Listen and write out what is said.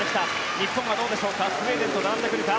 日本はどうでしょうかスウェーデンと並んでくるか。